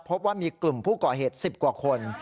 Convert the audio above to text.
พบว่ามีกลุ่มผู้ก่อเหตุ๑๐กว่าคน